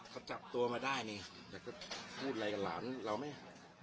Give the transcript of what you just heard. เขาจับตัวมาได้แต่ก็พูดอะไรกันหลัง